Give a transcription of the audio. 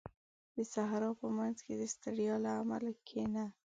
• د صحرا په منځ کې د ستړیا له امله کښېنه.